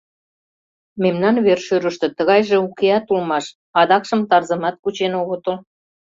Мемнан вер-шӧрыштӧ тыгайже укеат улмаш, адакшым тарзымат кучен огытыл.